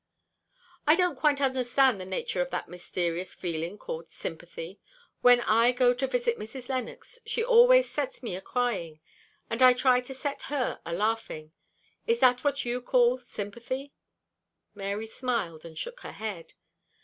"I don't quite understand the nature of that mysterious feeling called sympathy. When I go to visit Mrs. Lennox, she always sets me a crying, and I try to set her a laughing. Is that what you call sympathy?" Mary smiled, and shook her head.